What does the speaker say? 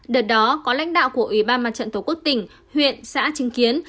đợt đó có lãnh đạo của ủy ban mặt trận tổ quốc tỉnh huyện xã trinh kiến